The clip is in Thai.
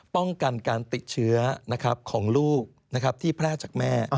ป้องกันการติดเชื้อของลูกที่แพร่จากแม่